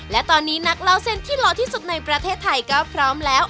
และตอนนี้นักเล่าเส้นที่หล่อที่สุดในประเทศไทยก็พร้อมแล้ว